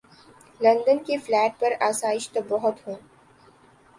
London کے flat پر آسائش تو بہت ہوں۔